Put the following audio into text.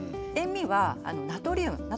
塩味はナトリウム。